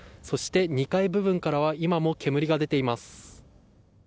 そして２階部分からは今も煙が出ています。